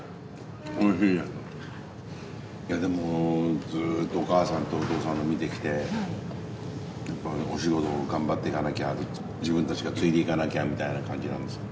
いやでもずっとお母さんとお父さんを見てきてやっぱお仕事を頑張っていかなきゃ自分たちが継いでいかなきゃみたいな感じなんですか？